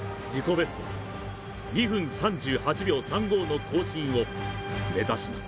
ベスト２分３８秒３５の更新を目指します